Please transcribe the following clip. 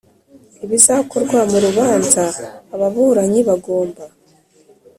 ibizakorwa mu rubanza ababuranyi bagomba